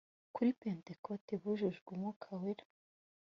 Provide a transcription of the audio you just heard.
kuri pentekote bujujwe umwuka wera